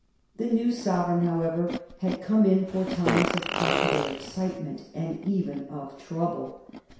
The new sovereign, however, had come in for times of popular excitement, and even of trouble.